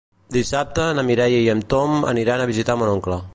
Dissabte na Mireia i en Tom aniran a visitar mon oncle.